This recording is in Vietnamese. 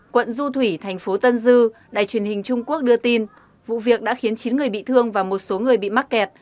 quận du thủy thành phố tân dư đài truyền hình trung quốc đưa tin vụ việc đã khiến chín người bị thương và một số người bị mắc kẹt